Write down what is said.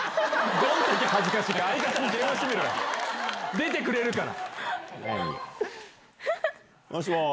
出てくれるから。